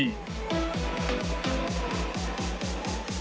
pihak rri jatim